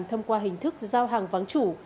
thông qua hình thức giao hàng vắng chủ